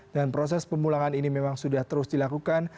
dan proses pemulangan ini memang sudah terus dilakukan